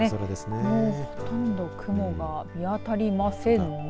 もうほとんど雲が見当たりませんね。